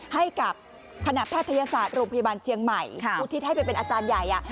ให้กับคณะแพทยศาสตร์โรงพยาบาลเชียงใหม่อุทิศให้ไปเป็นอาจารย์ใหญ่